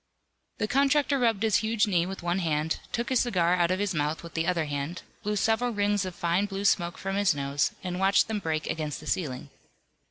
The contractor rubbed his huge knee with one hand, took his cigar out of his mouth with the other hand, blew several rings of fine blue smoke from his nose, and watched them break against the ceiling.